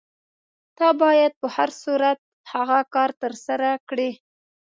ته باید په هر صورت هغه کار ترسره کړې.